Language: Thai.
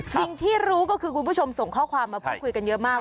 สิ่งที่รู้ก็คือคุณผู้ชมส่งข้อความมาพูดคุยกันเยอะมาก